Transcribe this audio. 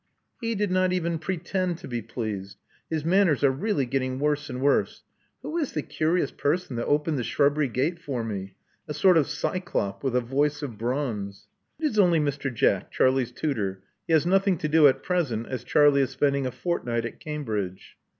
•*He did not even pretend to be plfeased. His manners are really getting worse and worse. Who is the curious person that opened the shrubbery gate for me? — a sort of Cyclop with a voice of bronze." '*It is only Mr. Jack, Charlie's tutor. He has noth ing to do at present, as Charlie is spending a fortnight at Cambridge."